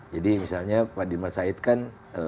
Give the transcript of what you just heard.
jadi misalnya pak dilmar said kan